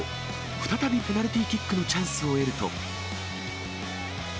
再びペナルティーキックのチャンスを得ると。